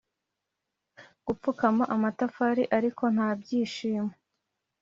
gupfukama amatafari, ariko nta byishimo.